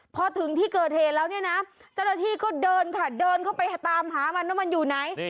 พอถึงที่เกิดเหตุแล้วเนี่ยนะเจ้าหน้าที่ก็เดินค่ะเดินเข้าไปตามหามันว่ามันอยู่ไหน